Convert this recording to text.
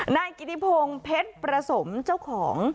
นายกิติพงศ์เพชรประสมเจ้าของ